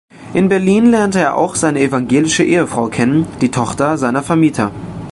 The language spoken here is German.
In Berlin lernte er auch seine evangelische Ehefrau kennen, die Tochter seiner Vermieter.